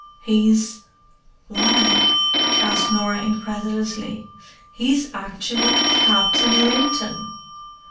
"He's—why," gasped Norah incredulously—"he's actually Captain Linton!"